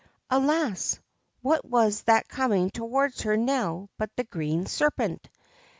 Alas ! what was that coming towards her now but the Green Serpent